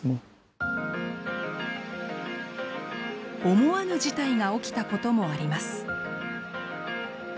思わぬ事態が起きたこともあります。